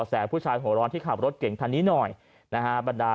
แก่ผู้ชายหัวร้อนที่ขับรถเก่งคันนี้หน่อยนะฮะบรรดา